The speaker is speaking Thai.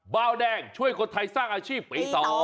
เบาแดงช่วยคนไทยสร้างอาชีพปี๒